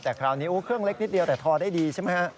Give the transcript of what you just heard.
แต่คราวนี้เครื่องเล็กนิดเดียวแต่ทอได้ดีใช่ไหมฮะ